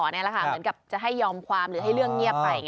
เหมือนกับจะให้ยอมความหรือให้เรื่องเงียบไป